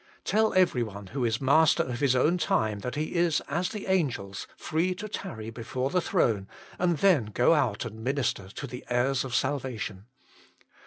Tell everyone who is master of his own time that he is as the angels, free to tarry before the throne and then go out and minister to the heirs of salvation.